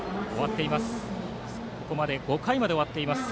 ここまで５回が終わっています。